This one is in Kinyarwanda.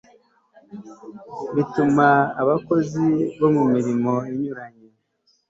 bituma abakozi bo mu mirimo inyuranye